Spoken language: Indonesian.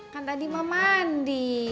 kan tadi emang mandi